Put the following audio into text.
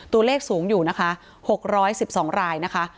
ตัวเลขสูงอยู่นะคะ๖๑๒รายนะคะ